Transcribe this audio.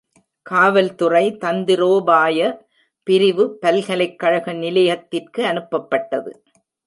காவல்துறை தந்திரோபாய பிரிவு பல்கலைக்கழக நிலையத்திற்கு அனுப்பப்பட்டது.